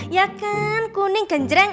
ya kan kuning genjreng